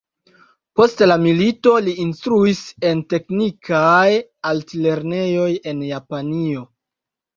Post la milito li instruis en teknikaj alt-lernejoj en Japanio.